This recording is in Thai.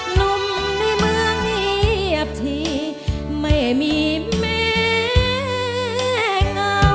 หนุ่มในเมืองเยียบทีไม่มีแม่เหงา